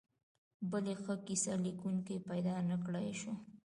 بل یې ښه کیسه لیکونکي پیدا نکړای شول.